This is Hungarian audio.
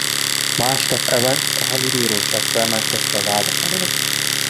Másnap Evanst a hadbíróság felmentette a vádak alól.